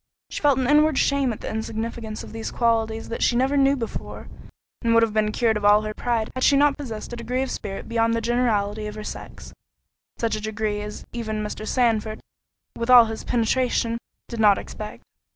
She felt an inward shame at the insignificance of these qualities that she never knew before, and would have been cured of all her pride, had she not possessed a degree of spirit beyond the generality of her sex—such a degree as even Mr. Sandford, with all his penetration, did not expect.